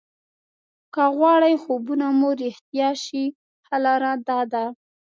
که غواړئ خوبونه مو رښتیا شي ښه لاره داده.